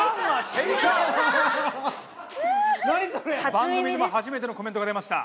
番組でも初めてのコメントが出ました。